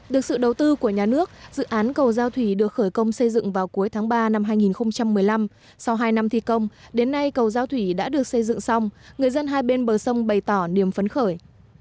được sự đầu tư của nhà nước dự án cầu giao thủy được khởi công xây dựng vào cuối tháng ba năm hai nghìn một mươi năm sau hai năm thi công đến nay cầu giao thủy đã được xây dựng xong người dân hai bên bờ sông bày tỏ niềm phấn khởi